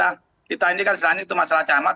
karena kita ini kan selain itu masalah camat